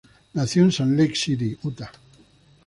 Nació en Salt Lake City, Utah.